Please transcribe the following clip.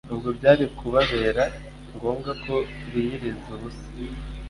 ubwo byari kubabera ngombwa ko biyiriza ubusa.